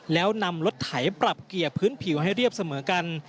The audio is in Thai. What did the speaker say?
แล้วนำรถไถปรับเกียร์พื้นผิวให้เรียบเสมอกัน